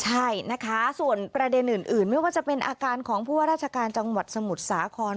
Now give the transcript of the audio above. ใช่นะคะส่วนประเด็นอื่นไม่ว่าจะเป็นอาการของผู้ว่าราชการจังหวัดสมุทรสาคร